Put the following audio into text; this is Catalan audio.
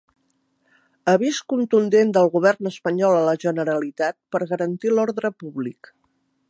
Avís contundent del govern espanyol a la Generalitat per garantir l'ordre públic